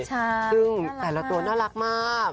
ใช่อาร์มาจริงแต่ละตัวน่ารักมาก